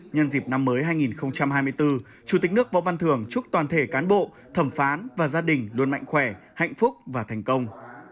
nhân dịp năm mới hai nghìn hai mươi bốn chủ tịch nước võ văn thường chúc toàn thể cán bộ thẩm phán và gia đình luôn mạnh khỏe hạnh phúc và thành công